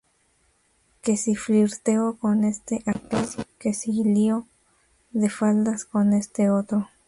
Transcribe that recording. Que si flirteo con este actor, que si lío de faldas con este otro.